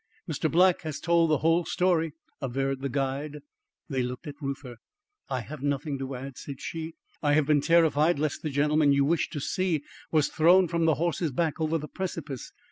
"Mr. Black has told the whole story," averred the guide. They looked at Reuther. "I have nothing to add," said she. "I have been terrified lest the gentleman you wish to see was thrown from the horse's back over the precipice.